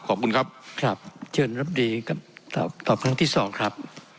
ขอบคุณครับครับเชิญรับดีกับตอบครั้งที่สองครับ